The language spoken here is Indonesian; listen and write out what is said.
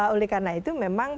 oleh karena itu memang